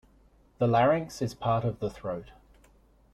The larynx is part of the throat.